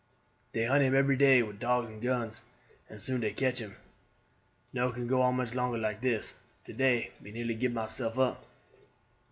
Dey hunt him ebery day with dogs and guns, and soon dey catch him. No can go on much longer like dis. To day me nearly gib myself up.